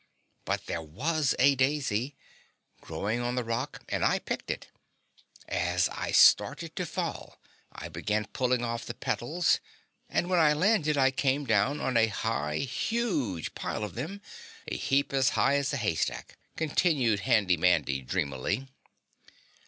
But there was a daisy growing on the rock and I picked it. As I started to fall I began pulling off the petals, and when I landed I came down on a high, huge pile of them, a heap as high as a haystack," continued Handy Mandy dreamily.